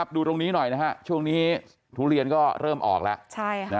ดูตรงนี้หน่อยนะฮะช่วงนี้ทุเรียนก็เริ่มออกแล้ว